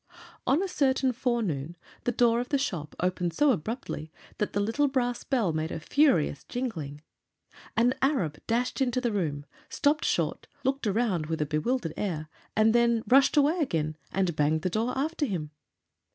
On a certain forenoon the door of the shop opened so abruptly that the little brass bell made a furious jingling. An Arab dashed into the room, stopped short, looked around with a bewildered air, and then rushed away again and banged the door after him.